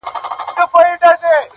څوك به نيسي ګرېوانونه د غازيانو!!